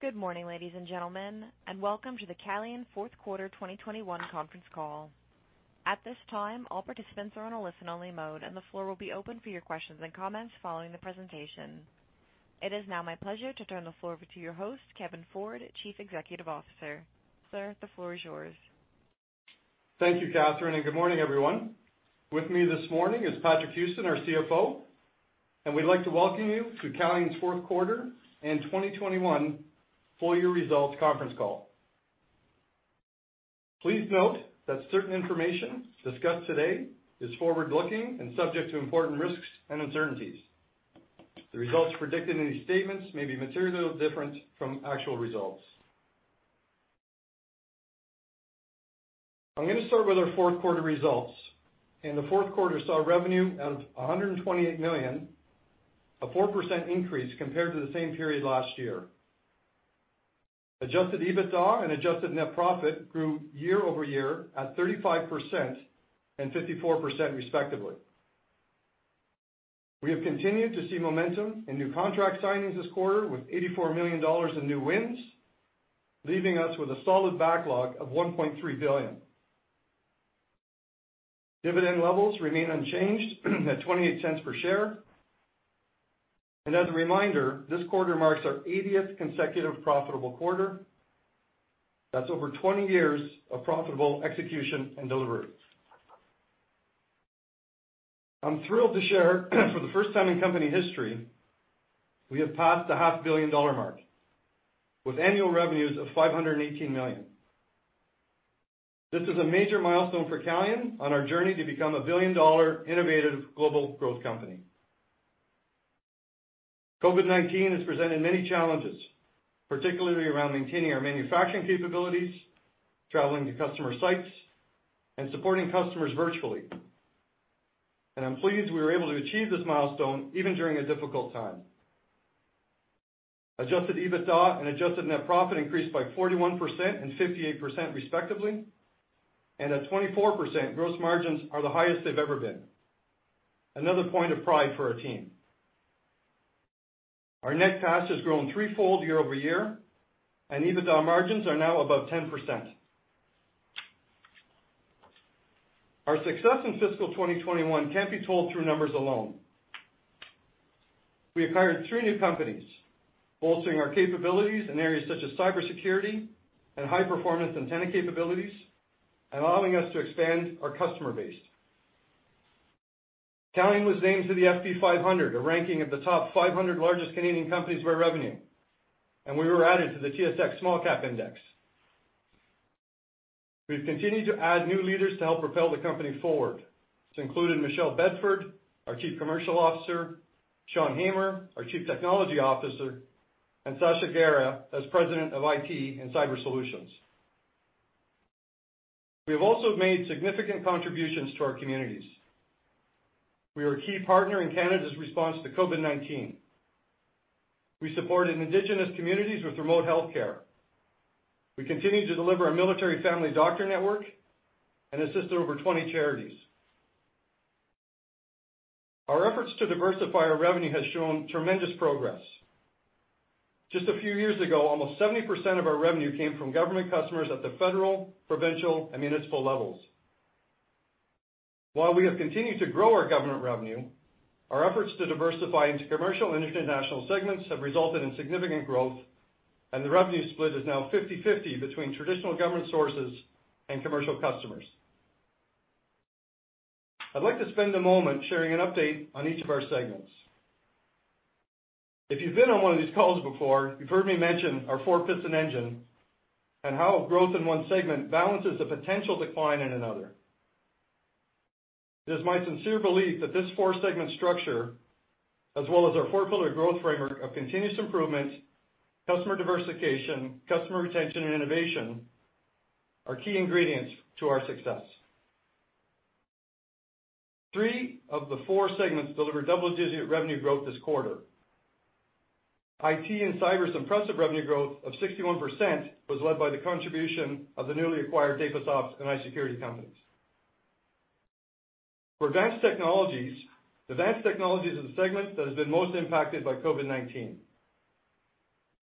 Good morning, ladies and gentlemen, and welcome to the Calian's Q4 2021 Conference Call. At this time, all participants are on a listen-only mode, and the floor will be open for your questions and comments following the presentation. It is now my pleasure to turn the floor over to your host, Kevin Ford, Chief Executive Officer. Sir, the floor is yours. Thank you, Catherine, and good morning, everyone. With me this morning is Patrick Houston, our CFO. We'd like to welcome you to Calian's Q4 and 2021 Full-Year Results Conference Call. Please note that certain information discussed today is forward-looking and subject to important risks and uncertainties. The results predicted in these statements may be materially different from actual results. I'm gonna start with our Q4 results. In Q4, we saw revenue of 128 million, a 4% increase compared to the same period last year. Adjusted EBITDA and adjusted net profit grew year-over-year at 35% and 54%, respectively. We have continued to see momentum in new contract signings this quarter, with 84 million dollars in new wins, leaving us with a solid backlog of 1.3 billion. Dividend levels remain unchanged at 0.28 per share. As a reminder, this quarter marks our 80th consecutive profitable quarter. That's over 20 years of profitable execution and delivery. I'm thrilled to share, for the first time in company history, we have passed the half-billion-dollar mark with annual revenues of 518 million. This is a major milestone for Calian on our journey to become a billion-dollar innovative global growth company. COVID-19 has presented many challenges, particularly around maintaining our manufacturing capabilities, traveling to customer sites, and supporting customers virtually. I'm pleased we were able to achieve this milestone even during a difficult time. Adjusted EBITDA and adjusted net profit increased by 41% and 58%, respectively, and at 24%, gross margins are the highest they've ever been. Another point of pride for our team. Our net cash has grown threefold year-over-year, and EBITDA margins are now above 10%. Our success in fiscal 2021 can't be told through numbers alone. We acquired three new companies, bolstering our capabilities in areas such as cybersecurity and high-performance antenna capabilities and allowing us to expand our customer base. Calian was named to the FP500, a ranking of the top 500 largest Canadian companies by revenue, and we were added to the S&P/TSX SmallCap Index. We've continued to add new leaders to help propel the company forward. This included Michelle Bedford, our Chief Commercial Officer, Sean Hamer, our Chief Technology Officer, and Sacha Gera as President of IT and Cyber Solutions. We have also made significant contributions to our communities. We are a key partner in Canada's response to COVID-19. We supported indigenous communities with remote healthcare. We continue to deliver our military family doctor network and assist over 20 charities. Our efforts to diversify our revenue has shown tremendous progress. Just a few years ago, almost 70% of our revenue came from government customers at the federal, provincial, and municipal levels. While we have continued to grow our government revenue, our efforts to diversify into commercial and international segments have resulted in significant growth, and the revenue split is now 50/50 between traditional government sources and commercial customers. I'd like to spend a moment sharing an update on each of our segments. If you've been on one of these calls before, you've heard me mention our four-piston engine and how a growth in one segment balances the potential decline in another. It is my sincere belief that this four-segment structure, as well as our four-pillar growth framework of continuous improvement, customer diversification, customer retention, and innovation, are key ingredients to our success. Three of the four segments delivered double-digit revenue growth this quarter. IT and Cyber's impressive revenue growth of 61% was led by the contribution of the newly acquired Dapasoft and iSecurity companies. For Advanced Technologies, Advanced Technologies is the segment that has been most impacted by COVID-19.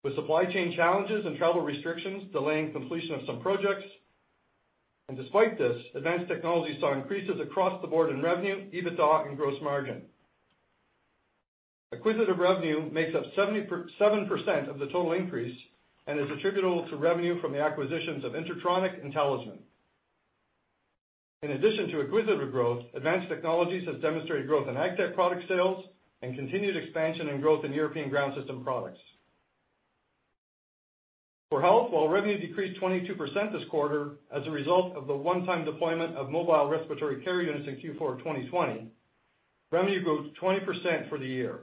With supply chain challenges and travel restrictions delaying completion of some projects, and despite this, Advanced Technologies saw increases across the board in revenue, EBITDA, and gross margin. Acquisitive revenue makes up 77% of the total increase and is attributable to revenue from the acquisitions of InterTronic and Tallysman. In addition to acquisitive growth, Advanced Technologies has demonstrated growth in AgTech product sales and continued expansion and growth in European ground system products. For health, while revenue decreased 22% this quarter as a result of the one-time deployment of mobile respiratory care units in Q4 of 2020, revenue grew 20% for the year.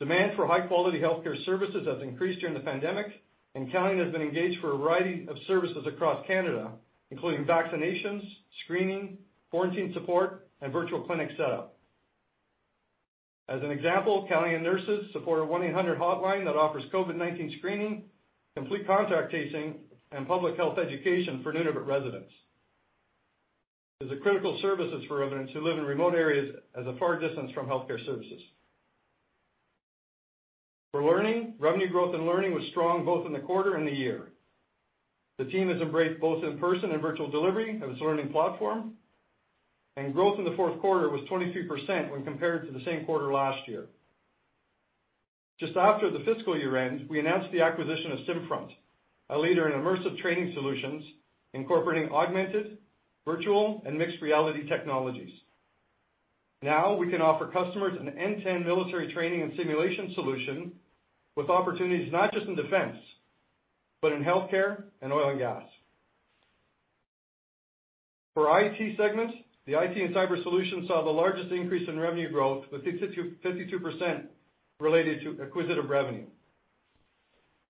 Demand for high-quality healthcare services has increased during the pandemic, and Calian has been engaged for a variety of services across Canada, including vaccinations, screening, quarantine support, and virtual clinic setup. As an example, Calian nurses support a 1-800 hotline that offers COVID-19 screening, complete contact tracing, and public health education for Nunavut residents. It's a critical service for residents who live in remote areas a far distance from healthcare services. For learning, revenue growth in learning was strong both in the quarter and the year. The team has embraced both in-person and virtual delivery of its learning platform, and growth in Q4 was 23% when compared to the same quarter last year. Just after the fiscal year end, we announced the acquisition of SimFront, a leader in immersive training solutions incorporating augmented, virtual, and mixed reality technologies. Now we can offer customers an end-to-end military training and simulation solution with opportunities not just in defense, but in healthcare and oil and gas. For IT segments, the IT and Cyber Solutions saw the largest increase in revenue growth with 52% related to acquisitive revenue.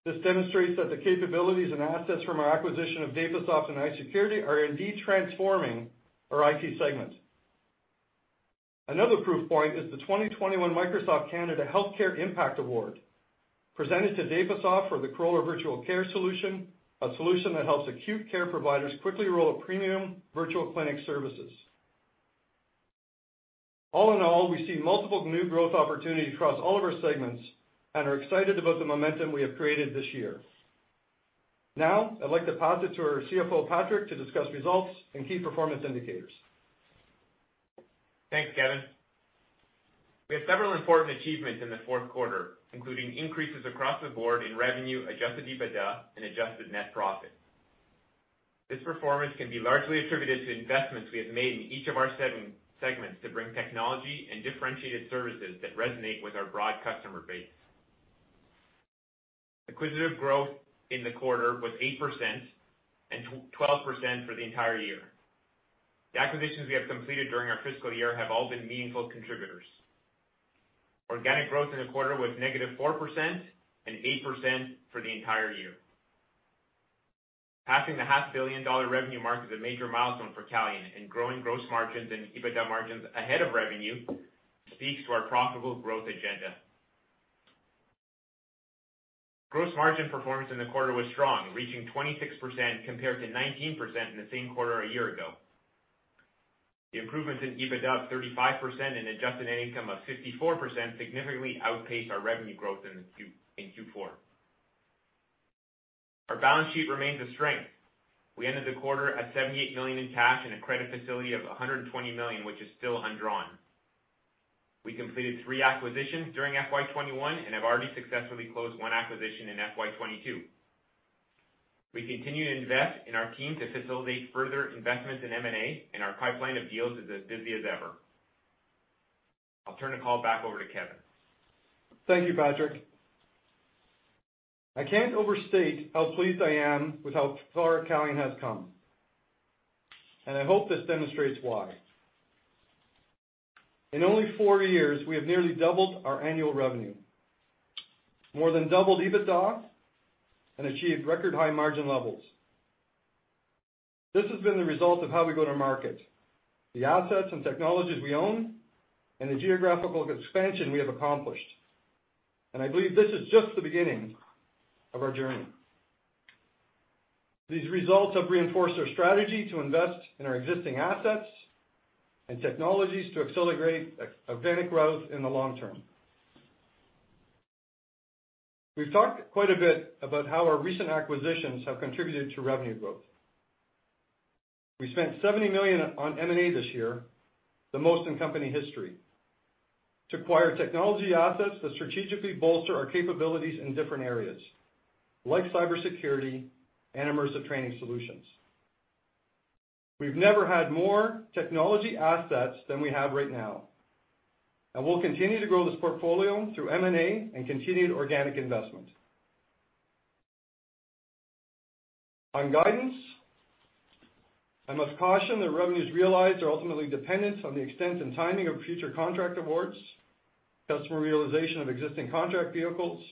This demonstrates that the capabilities and assets from our acquisition of Dapasoft and iSecurity are indeed transforming our IT segment. Another proof point is the 2021 Microsoft Canada Healthcare Impact Award, presented to Dapasoft for the Corolar Virtual Care Solution, a solution that helps acute care providers quickly roll out premium virtual clinic services. All in all, we see multiple new growth opportunities across all of our segments and are excited about the momentum we have created this year. Now, I'd like to pass it to our CFO, Patrick, to discuss results and key performance indicators. Thanks, Kevin. We have several important achievements in Q4, including increases across the board in revenue, Adjusted EBITDA, and adjusted net profit. This performance can be largely attributed to investments we have made in each of our seven segments to bring technology and differentiated services that resonate with our broad customer base. Acquisitive growth in the quarter was 8% and 12% for the entire year. The acquisitions we have completed during our fiscal year have all been meaningful contributors. Organic growth in the quarter was -4% and 8% for the entire year. Passing the half-billion-dollar revenue mark is a major milestone for Calian, and growing gross margins and EBITDA margins ahead of revenue speaks to our profitable growth agenda. Gross margin performance in the quarter was strong, reaching 26% compared to 19% in the same quarter a year ago. The improvements in EBITDA of 35% and adjusted net income of 54% significantly outpaced our revenue growth in Q4. Our balance sheet remains a strength. We ended the quarter at 78 million in cash in a credit facility of 120 million, which is still undrawn. We completed three acquisitions during FY 2021 and have already successfully closed one acquisition in FY 2022. We continue to invest in our team to facilitate further investments in M&A, and our pipeline of deals is as busy as ever. I'll turn the call back over to Kevin. Thank you, Patrick. I can't overstate how pleased I am with how far Calian has come, and I hope this demonstrates why. In only four years, we have nearly doubled our annual revenue, more than doubled EBITDA, and achieved record high margin levels. This has been the result of how we go to market, the assets and technologies we own, and the geographical expansion we have accomplished. I believe this is just the beginning of our journey. These results have reinforced our strategy to invest in our existing assets and technologies to accelerate organic growth in the long term. We've talked quite a bit about how our recent acquisitions have contributed to revenue growth. We spent 70 million on M&A this year, the most in company history, to acquire technology assets that strategically bolster our capabilities in different areas like cybersecurity and immersive training solutions. We've never had more technology assets than we have right now, and we'll continue to grow this portfolio through M&A and continued organic investment. On guidance, I must caution that revenues realized are ultimately dependent on the extent and timing of future contract awards, customer realization of existing contract vehicles,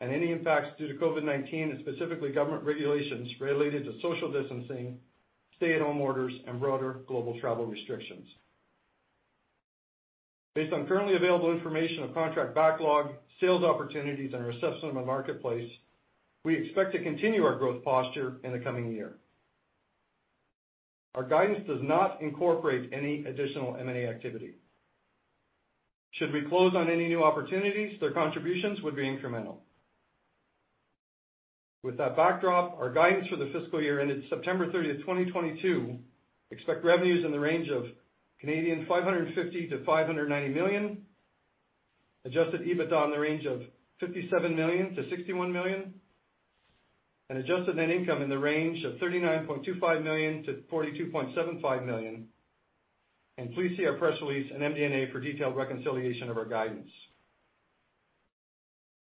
and any impacts due to COVID-19, and specifically government regulations related to social distancing, stay-at-home orders, and broader global travel restrictions. Based on currently available information of contract backlog, sales opportunities, and our assessment of the marketplace, we expect to continue our growth posture in the coming year. Our guidance does not incorporate any additional M&A activity. Should we close on any new opportunities, their contributions would be incremental. With that backdrop, our guidance for the fiscal year ended September 30, 2022, we expect revenues in the range of 550-590 million. Adjusted EBITDA in the range of 57-61 million. Adjusted net income in the range of 39.25-42.75 million. Please see our press release in MD&A for detailed reconciliation of our guidance.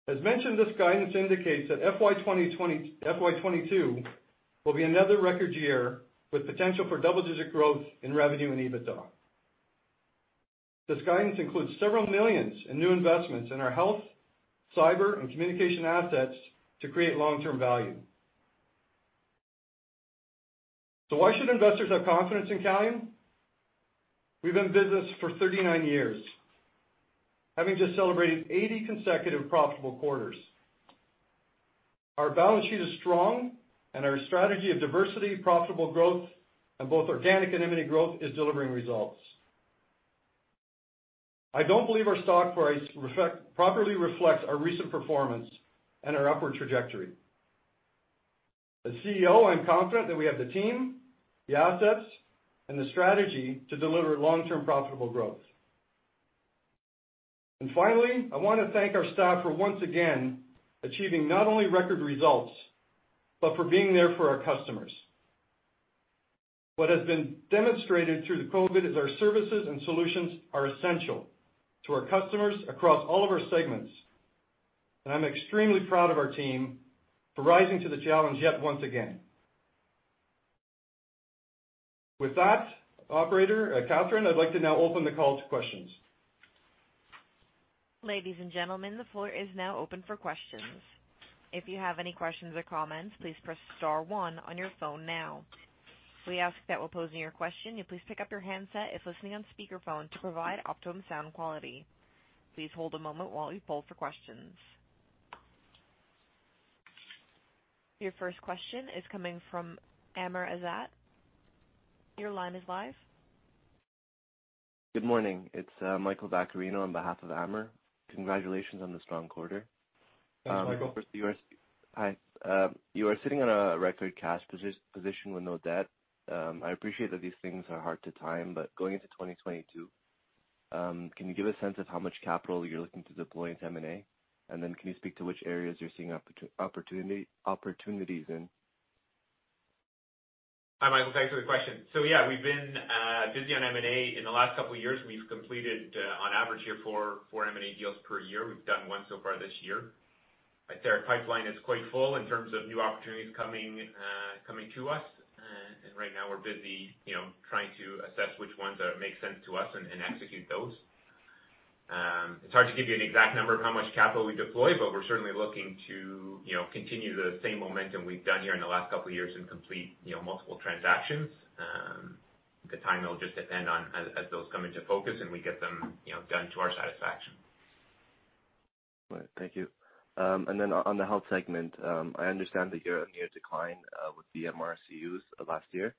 As mentioned, this guidance indicates that FY 2022 will be another record year with potential for double-digit growth in revenue and EBITDA. This guidance includes several million in new investments in our health, cyber, and communication assets to create long-term value. Why should investors have confidence in Calian? We've been in business for 39 years, having just celebrated 80 consecutive profitable quarters. Our balance sheet is strong and our strategy of diversity, profitable growth in both organic and M&A growth is delivering results. I don't believe our stock price properly reflects our recent performance and our upward trajectory. As CEO, I'm confident that we have the team, the assets, and the strategy to deliver long-term profitable growth. Finally, I wanna thank our staff for once again achieving not only record results, but for being there for our customers. What has been demonstrated through the COVID is our services and solutions are essential to our customers across all of our segments, and I'm extremely proud of our team for rising to the challenge yet once again. With that, operator, Catherine, I'd like to now open the call to questions. Ladies and gentlemen, the floor is now open for questions. If you have any questions or comments, please press star one on your phone now. We ask that while posing your question, you please pick up your handset if listening on speakerphone to provide optimum sound quality. Please hold a moment while we poll for questions. Your first question is coming from Amr Ezzat. Your line is live. Good morning. It's Michael Kypreos on behalf of Amr. Congratulations on the strong quarter. Thanks, Michael. You are sitting on a record cash position with no debt. I appreciate that these things are hard to time, but going into 2022, can you give a sense of how much capital you're looking to deploy into M&A? Then can you speak to which areas you're seeing opportunities in? Hi, Michael. Thanks for the question. Yeah, we've been busy on M&A. In the last couple of years, we've completed on average here four M&A deals per year. We've done one so far this year. I'd say our pipeline is quite full in terms of new opportunities coming to us. And right now we're busy, you know, trying to assess which ones make sense to us and execute those. It's hard to give you an exact number of how much capital we deploy, but we're certainly looking to, you know, continue the same momentum we've done here in the last couple of years and complete, you know, multiple transactions. The timing will just depend on as those come into focus and we get them, you know, done to our satisfaction. All right. Thank you. On the health segment, I understand that you had a year-over-year decline with the MRCUs of last year.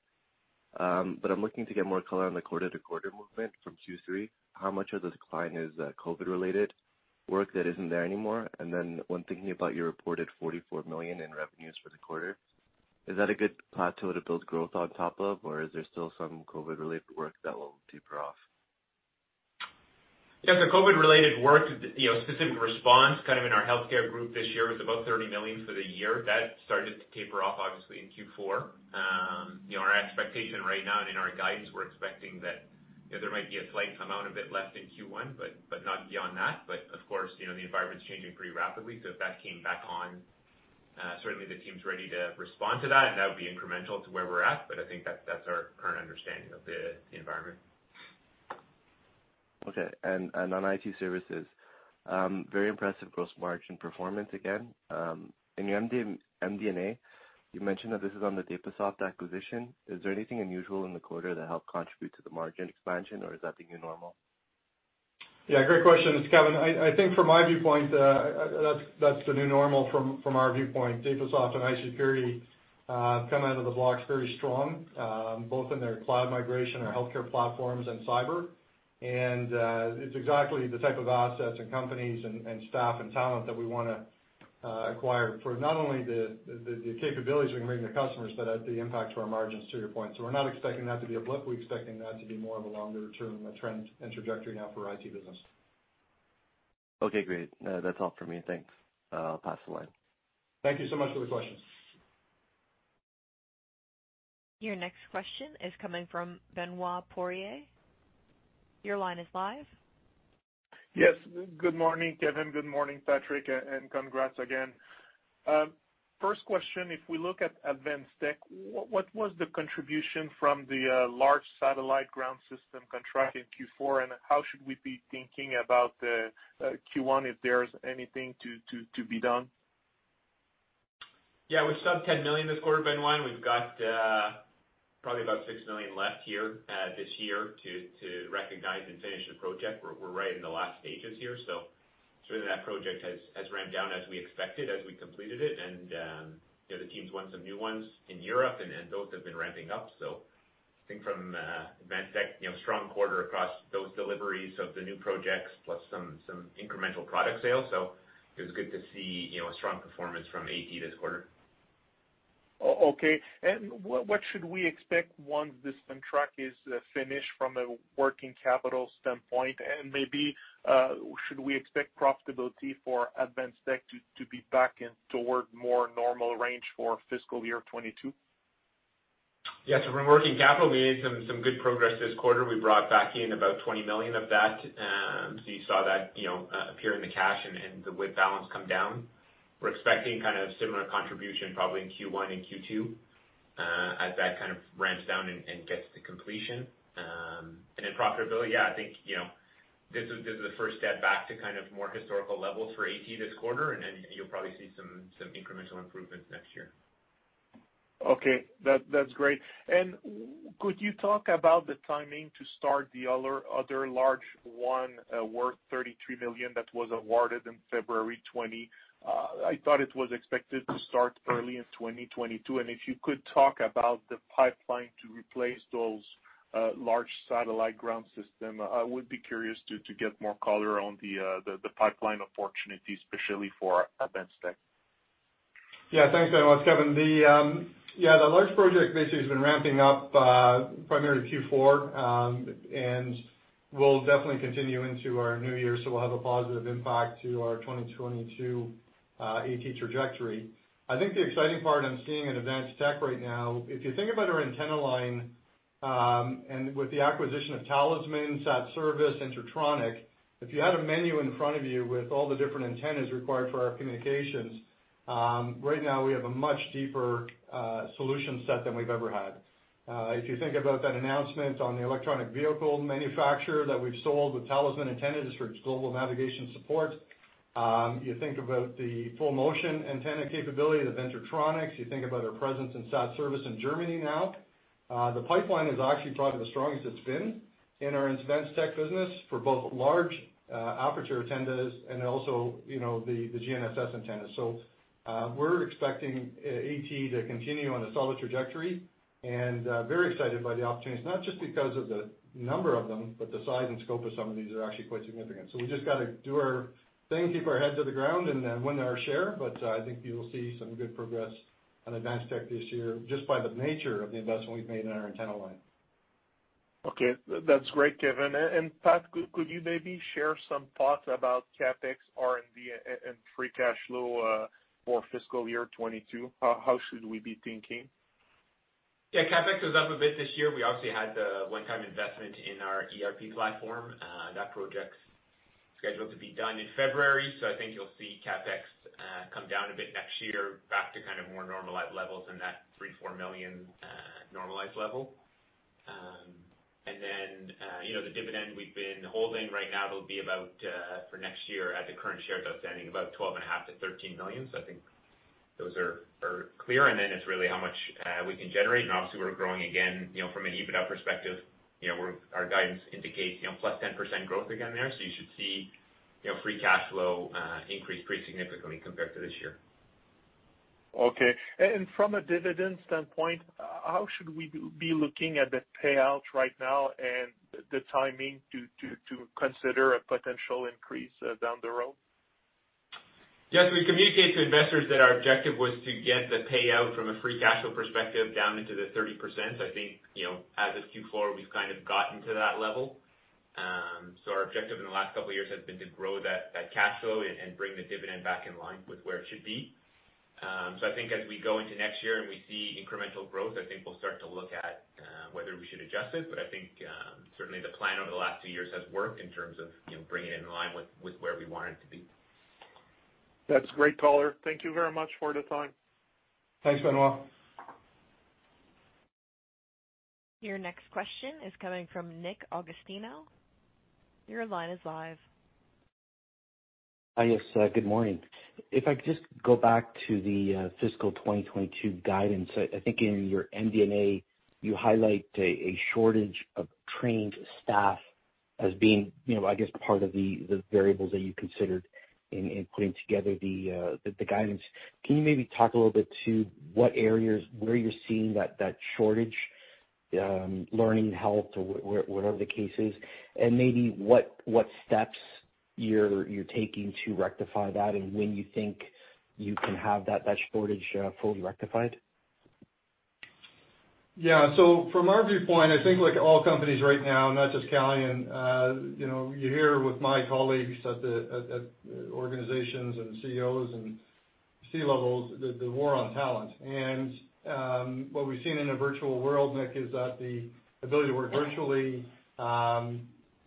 I'm looking to get more color on the quarter-to-quarter movement from Q3. How much of the decline is COVID related work that isn't there anymore? When thinking about your reported 44 million in revenues for the quarter, is that a good plateau to build growth on top of, or is there still some COVID-related work that will taper off? Yeah. The COVID-related work, you know, specific response kind of in our healthcare group this year was about 30 million for the year. That started to taper off, obviously, in Q4. You know, our expectation right now and in our guidance, we're expecting that, you know, there might be a slight amount, a bit less in Q1, but not beyond that. Of course, you know, the environment's changing pretty rapidly, so if that came back on, certainly the team's ready to respond to that, and that would be incremental to where we're at. I think that's our current understanding of the environment. On IT services, very impressive gross margin performance again. In your MD&A, you mentioned that this is on the Dapasoft acquisition. Is there anything unusual in the quarter that helped contribute to the margin expansion, or is that the new normal? Yeah, great question. It's Kevin. I think from my viewpoint, that's the new normal from our viewpoint. Dapasoft and iSecurity come out of the blocks very strong, both in their cloud migration, our healthcare platforms and cyber. It's exactly the type of assets and companies and staff and talent that we wanna acquire for not only the capabilities we can bring to customers, but at the impact to our margins to your point. We're not expecting that to be a blip. We're expecting that to be more of a longer-term trend and trajectory now for IT business. Okay, great. That's all for me. Thanks. I'll pass the line. Thank you so much for the question. Your next question is coming from Benoit Poirier. Your line is live. Yes. Good morning, Kevin. Good morning, Patrick, and congrats again. First question, if we look at Advanced Technologies, what was the contribution from the large satellite ground system contract in Q4, and how should we be thinking about Q1, if there's anything to be done? Yeah. With CAD sub-10 million this quarter, Benoit, we've got probably about 6 million left here this year to recognize and finish the project. We're right in the last stages here. Certainly that project has ramped down as we expected as we completed it. You know, the team's won some new ones in Europe and those have been ramping up. I think from Advanced Technologies, you know, strong quarter across those deliveries of the new projects plus some incremental product sales. It was good to see, you know, a strong performance from AT this quarter. Okay. What should we expect once this contract is finished from a working capital standpoint? Maybe should we expect profitability for Advanced Technologies to be back in toward more normal range for fiscal year 2022? Yeah. From working capital, we made some good progress this quarter. We brought back in about 20 million of that. You saw that, you know, appear in the cash and the WIP balance come down. We're expecting kind of similar contribution probably in Q1 and Q2, as that kind of ramps down and gets to completion. In profitability, yeah, I think, you know, this is the first step back to kind of more historical levels for AT this quarter, and then you'll probably see some incremental improvements next year. Okay. That's great. Could you talk about the timing to start the other large one worth 33 million that was awarded in February 2020? I thought it was expected to start early in 2022. If you could talk about the pipeline to replace those large satellite ground system, I would be curious to get more color on the pipeline opportunity, especially for Advanced Technologies. Yeah. Thanks very much, Kevin. The large project basically has been ramping up, primarily Q4, and will definitely continue into our new year, so we'll have a positive impact to our 2022 AT trajectory. I think the exciting part I'm seeing in Advanced Technologies right now, if you think about our antenna line, and with the acquisition of Tallysman, SatService, InterTronic, if you had a menu in front of you with all the different antennas required for our communications, right now we have a much deeper solution set than we've ever had. If you think about that announcement on the electric vehicle manufacturer that we've sold with Tallysman antennas for its global navigation support, you think about the full motion antenna capability of InterTronic, you think about our presence in SatService in Germany now, the pipeline is actually probably the strongest it's been in our Advanced Technologies business for both large aperture antennas and also, you know, the GNSS antennas. We're expecting AT to continue on a solid trajectory, and very excited by the opportunities, not just because of the number of them, but the size and scope of some of these are actually quite significant. We just gotta do our thing, keep our heads to the ground, and win our share, but I think you'll see some good progress on Advanced Technologies this year just by the nature of the investment we've made in our antenna line. Okay. That's great, Kevin. And Pat, could you maybe share some thoughts about CapEx, R&D, and free cash flow for fiscal year 2022? How should we be thinking? Yeah. CapEx was up a bit this year. We obviously had the one-time investment in our ERP platform. That project's scheduled to be done in February, so I think you'll see CapEx come down a bit next year back to kind of more normalized levels in that 3-4 million normalized level. And then, you know, the dividend we've been holding right now will be about, for next year at the current shares outstanding, about 12.5-13 million. So I think those are clear. Then it's really how much we can generate. Obviously we're growing again, you know, from an EBITDA perspective, you know, our guidance indicates, you know, +10% growth again there. So you should see, you know, free cash flow increase pretty significantly compared to this year. Okay. From a dividend standpoint, how should we be looking at the payout right now and the timing to consider a potential increase down the road? Yes, we communicate to investors that our objective was to get the payout from a free cash flow perspective down into the 30%. I think, you know, as of Q4, we've kind of gotten to that level. Our objective in the last couple of years has been to grow that cash flow and bring the dividend back in line with where it should be. I think as we go into next year and we see incremental growth, I think we'll start to look at whether we should adjust it. I think certainly the plan over the last two years has worked in terms of, you know, bringing it in line with where we want it to be. That's great color. Thank you very much for the time. Thanks, Benoit Poirier. Your next question is coming from Nick Agostino. Your line is live. Hi, yes. Good morning. If I could just go back to the fiscal 2022 guidance. I think in your MD&A, you highlight a shortage of trained staff as being, you know, I guess part of the variables that you considered in putting together the guidance. Can you maybe talk a little bit to what areas where you're seeing that shortage in learning health or whatever the case is, and maybe what steps you're taking to rectify that and when you think you can have that shortage fully rectified? Yeah. From our viewpoint, I think like all companies right now, not just Calian, you know, you hear with my colleagues at organizations and CEOs and C-levels, the war on talent. What we've seen in a virtual world, Nick, is that the ability to work virtually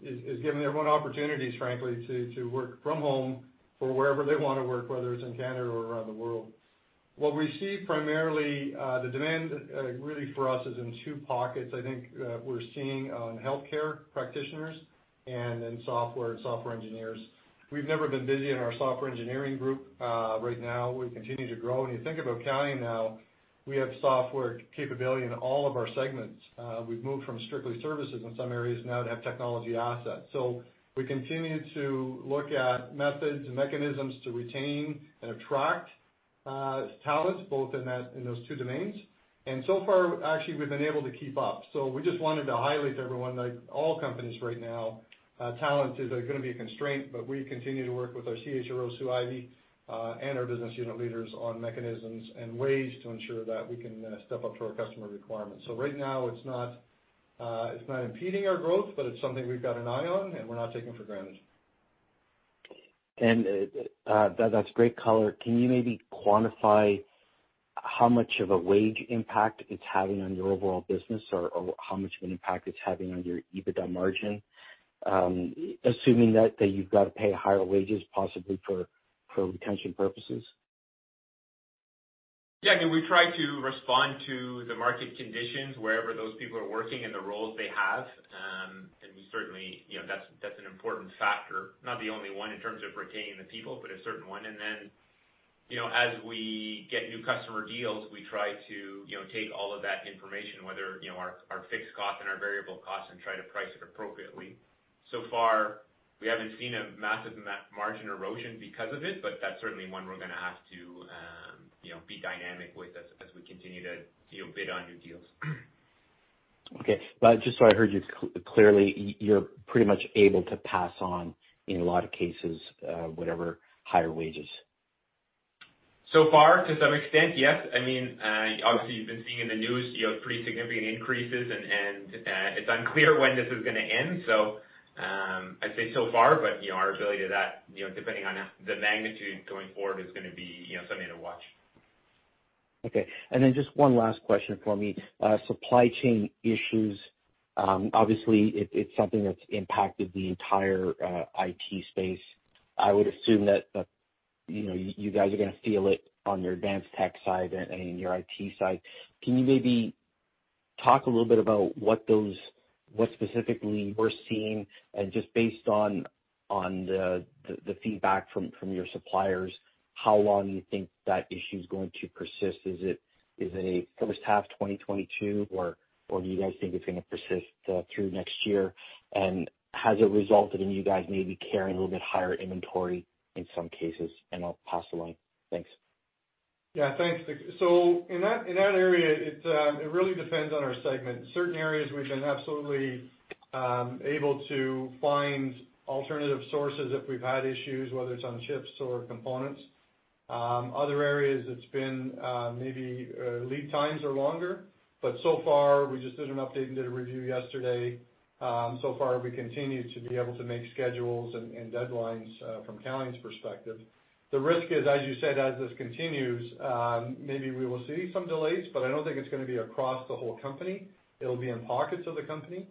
is giving everyone opportunities, frankly, to work from home or wherever they wanna work, whether it's in Canada or around the world. What we see primarily, the demand really for us is in two pockets. I think, we're seeing on healthcare practitioners and then software engineers. We've never been busy in our software engineering group. Right now we continue to grow. When you think about Calian now, we have software capability in all of our segments. We've moved from strictly services in some areas now to have technology assets. We continue to look at methods and mechanisms to retain and attract talent both in that, in those two domains. So far, actually, we've been able to keep up. We just wanted to highlight to everyone that all companies right now, talent is gonna be a constraint, but we continue to work with our CHRO, Sue Ivay, and our business unit leaders on mechanisms and ways to ensure that we can step up to our customer requirements. Right now it's not impeding our growth, but it's something we've got an eye on and we're not taking for granted. That's great color. Can you maybe quantify how much of a wage impact it's having on your overall business or how much of an impact it's having on your EBITDA margin, assuming that you've got to pay higher wages possibly for retention purposes? Yeah. I mean, we try to respond to the market conditions wherever those people are working and the roles they have. We certainly, you know, that's an important factor, not the only one in terms of retaining the people, but certainly one. You know, as we get new customer deals, we try to, you know, take all of that information, with our fixed cost and our variable cost, and try to price it appropriately. So far, we haven't seen a massive margin erosion because of it, but that's certainly one we're gonna have to, you know, be dynamic with as we continue to, you know, bid on new deals. Okay. Just so I heard you clearly, you're pretty much able to pass on, in a lot of cases, whatever higher wages? So far, to some extent, yes. I mean, obviously you've been seeing in the news, you know, pretty significant increases and it's unclear when this is gonna end. I'd say so far, but you know, our ability to that, you know, depending on the magnitude going forward, is gonna be, you know, something to watch. Okay. Just one last question for me. Supply chain issues, obviously it's something that's impacted the entire IT space. I would assume that you know you guys are gonna feel it on your advanced tech side and in your IT side. Can you maybe talk a little bit about what specifically we're seeing and just based on the feedback from your suppliers, how long you think that issue's going to persist? Is it a first half 2022, or do you guys think it's gonna persist through next year? Has it resulted in you guys maybe carrying a little bit higher inventory in some cases? I'll pass the line. Thanks. Yeah, thanks. In that area, it really depends on our segment. Certain areas we've been absolutely able to find alternative sources if we've had issues, whether it's on chips or components. Other areas it's been maybe lead times are longer, but so far we just did an update and did a review yesterday. So far we continue to be able to make schedules and deadlines from Calian's perspective. The risk is, as you said, as this continues, maybe we will see some delays, but I don't think it's gonna be across the whole company. It'll be in pockets of the company.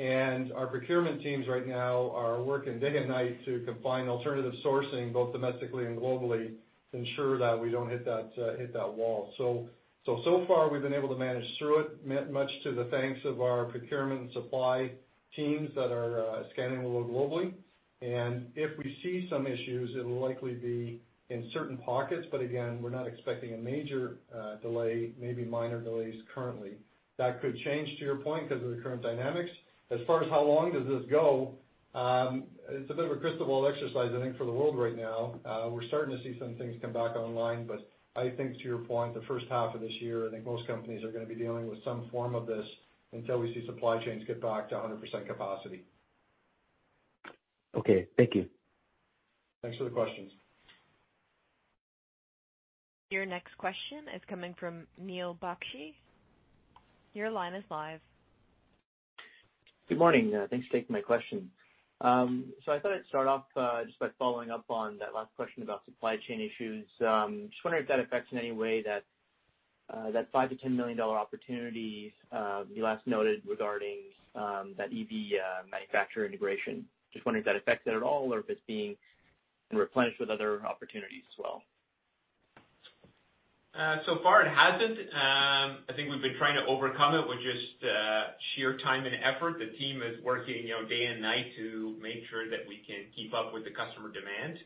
Our procurement teams right now are working day and night to combine alternative sourcing, both domestically and globally, to ensure that we don't hit that wall. So far we've been able to manage through it, much to the thanks of our procurement and supply teams that are scanning the world globally. If we see some issues, it'll likely be in certain pockets, but again, we're not expecting a major delay, maybe minor delays currently. That could change to your point, 'cause of the current dynamics. As far as how long does this go, it's a bit of a crystal ball exercise, I think, for the world right now. We're starting to see some things come back online, but I think to your point, the first half of this year, I think most companies are gonna be dealing with some form of this until we see supply chains get back to 100% capacity. Okay. Thank you. Thanks for the questions. Your next question is coming from Neal Bakshi. Your line is live. Good morning. Thanks for taking my question. I thought I'd start off, just by following up on that last question about supply chain issues. Just wondering if that affects in any way that 5-10 million dollar opportunity you last noted regarding that EV manufacturer integration. Just wondering if that affects it at all or if it's being replenished with other opportunities as well. So far it hasn't. I think we've been trying to overcome it with just sheer time and effort. The team is working, you know, day and night to make sure that we can keep up with the customer demand.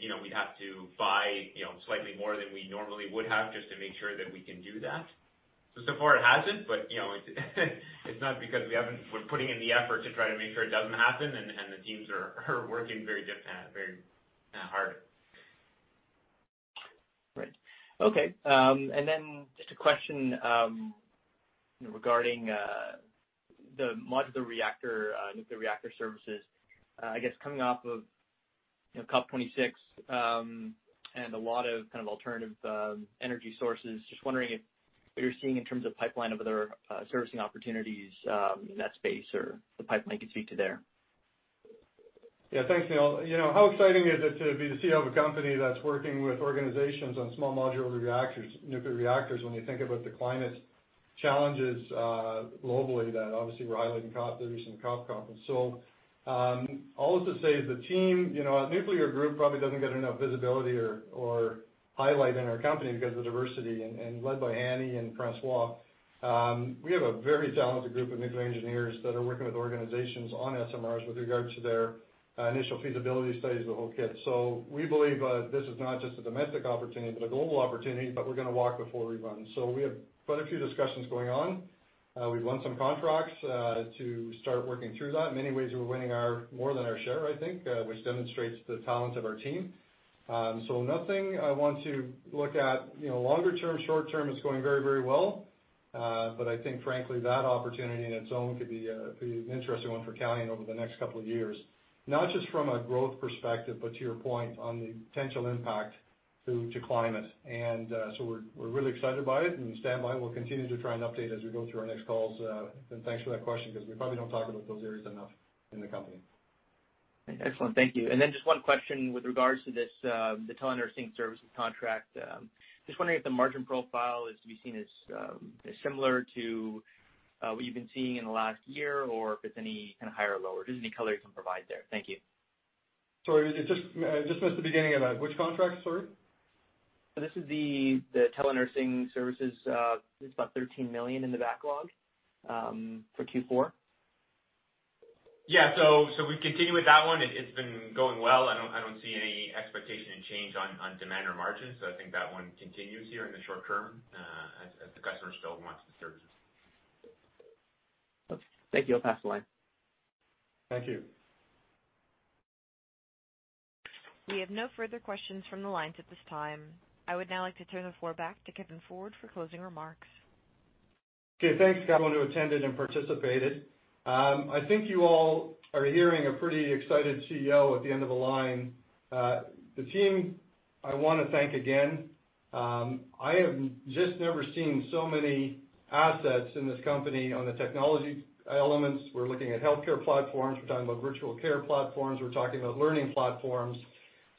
You know, we'd have to buy, you know, slightly more than we normally would have just to make sure that we can do that. So far it hasn't, but you know it's not because we haven't. We're putting in the effort to try to make sure it doesn't happen, and the teams are working very differently, very hard. Right. Okay. Just a question regarding the modular nuclear reactor services. I guess coming off of, you know, COP26, and a lot of kind of alternative energy sources, just wondering if what you're seeing in terms of pipeline of other servicing opportunities in that space or the pipeline could speak to there. Yeah. Thanks, Neal. You know, how exciting is it to be the CEO of a company that's working with organizations on small modular reactors, nuclear reactors, when you think about the climate challenges, globally that obviously were highlighted in COP, the recent COP conference. All is to say is the team, you know, our nuclear group probably doesn't get enough visibility or highlight in our company because of the diversity, and led by Hani and Francois. We have a very talented group of nuclear engineers that are working with organizations on SMRs with regards to their initial feasibility studies, the whole kit. We believe this is not just a domestic opportunity, but a global opportunity, but we're gonna walk before we run. We have quite a few discussions going on. We've won some contracts to start working through that. In many ways, we're winning more than our share, I think, which demonstrates the talent of our team. Nothing I want to look at, you know, longer term. Short term is going very, very well. I think frankly, that opportunity on its own could be an interesting one for Calian over the next couple of years, not just from a growth perspective, but to your point on the potential impact to climate. We're really excited about it, and stand by and we'll continue to try and update as we go through our next calls. Thanks for that question 'cause we probably don't talk about those areas enough in the company. Excellent. Thank you. Just one question with regards to this, the telenursing services contract. Just wondering if the margin profile is to be seen as similar to, what you've been seeing in the last year or if it's any kinda higher or lower. Just any color you can provide there. Thank you. Sorry, I just missed the beginning of that. Which contract, sorry? This is the telenursing services. It's about 13 million in the backlog for Q4. Yeah, we continue with that one. It's been going well. I don't see any expectation of change in demand or margins. I think that one continues on in the short term, as the customer still wants the services. Thank you. I'll pass the line. Thank you. We have no further questions from the lines at this time. I would now like to turn the floor back to Kevin Ford for closing remarks. Okay, thanks everyone who attended and participated. I think you all are hearing a pretty excited CEO at the end of the line. The team I wanna thank again. I have just never seen so many assets in this company on the technology elements. We're looking at healthcare platforms. We're talking about virtual care platforms. We're talking about learning platforms.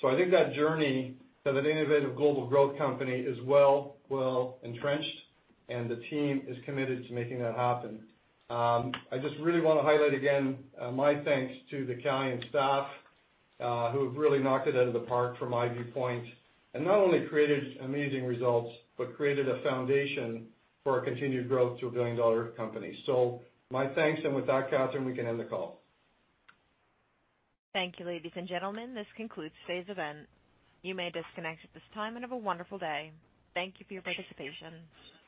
I think that journey as an innovative global growth company is well entrenched, and the team is committed to making that happen. I just really wanna highlight again, my thanks to the Calian staff, who have really knocked it out of the park from my viewpoint, not only created amazing results, but created a foundation for our continued growth to a billion-dollar company. My thanks, and with that, Catherine, we can end the call. Thank you, ladies and gentlemen. This concludes today's event. You may disconnect at this time and have a wonderful day. Thank you for your participation.